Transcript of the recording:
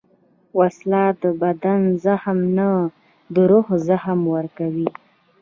وسله د بدن زخم نه، د روح زخم ورکوي